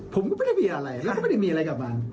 ผมก็ไม่ได้มีอะไรแล้วก็ไม่ได้มีอะไรกลับมา